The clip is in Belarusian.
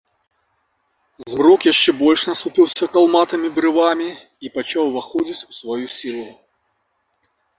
Змрок яшчэ больш насупіўся калматымі брывамі і пачаў уваходзіць у сваю сілу.